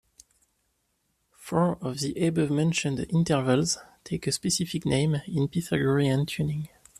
Four of the above-mentioned intervals take a specific name in Pythagorean tuning.